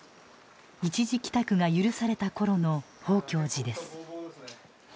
一時帰宅が許された頃の宝鏡寺です。